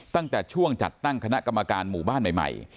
ตั้งแต่ช่วงจัดตั้งคณะกรรมการหมู่บ้านใหม่